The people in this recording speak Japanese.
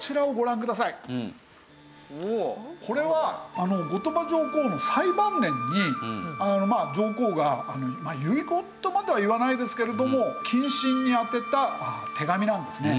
これは後鳥羽上皇の最晩年に上皇が遺言とまではいわないですけれども近臣に宛てた手紙なんですね。